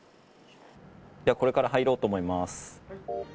ではこれから入ろうと思います。